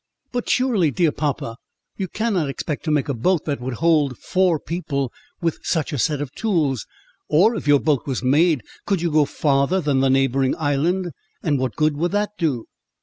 "But surely, dear papa, you cannot expect to make a boat that would hold four people with such a set of tools? or, if your boat was made, could you go farther than the neighbouring island; and what good would that do?"